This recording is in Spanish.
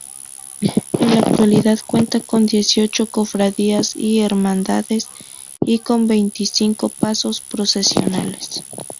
En la actualidad cuenta con dieciocho cofradías y hermandades y con veinticinco pasos procesionales.